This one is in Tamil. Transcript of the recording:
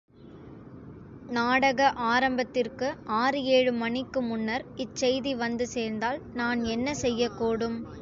நாடக ஆரம்பத்திற்கு ஆறு ஏழு மணிக்கு முன்னர் இச்செய்தி வந்து சேர்ந்தால் நான் என்ன செய்யக்கூடும்?